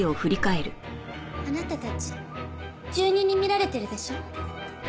あなたたち住人に見られてるでしょ。